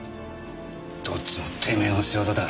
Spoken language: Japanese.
どっちもてめえの仕業だ。